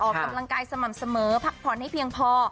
ออกกำลังกายสม่ำเสมอพักผ่อนให้เพียงพอ